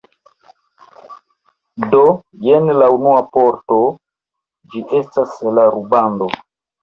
Do jen la unua parto, ĝi estas la rubando